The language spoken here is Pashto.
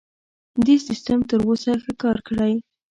دې سیستم تر اوسه ښه کار کړی.